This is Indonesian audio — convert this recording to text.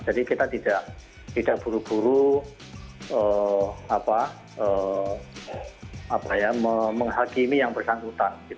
jadi kita tidak buru buru menghakimi yang bersambutan